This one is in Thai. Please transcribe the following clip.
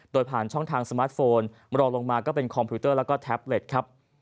โดยผ่านช่องทางสมาร์ทโฟนรอลงมาก็เป็นคอมพิวเตอร์แล้วก็แท็บเล็ตครับ